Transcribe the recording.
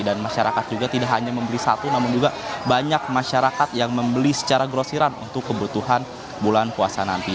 dan masyarakat juga tidak hanya membeli satu namun juga banyak masyarakat yang membeli secara grosiran untuk kebutuhan bulan puasa nanti